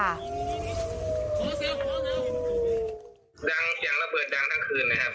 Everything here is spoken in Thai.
ดังเสียงระเบิดดังทั้งคืนนะครับ